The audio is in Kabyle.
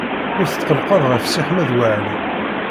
Ur tetqellqeḍ ɣef Si Ḥmed Waɛli.